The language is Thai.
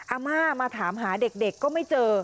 อาม่ามาถามหาเด็กก็ไม่เจอ